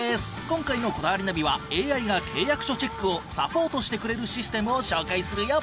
今回の『こだわりナビ』はＡＩが契約書チェックをサポートしてくれるシステムを紹介するよ。